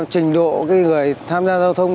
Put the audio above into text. trình độ người tham gia giao thông